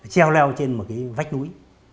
treo leo trên một cái vách núi